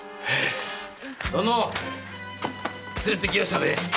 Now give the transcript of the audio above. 旦那連れてきやしたぜ。